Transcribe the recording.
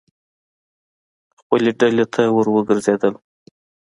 خپلې ډلې ته ور وګرځېدل.